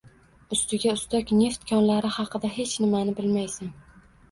Ustiga ustak, neft konlari haqida hech nimani bilmaysan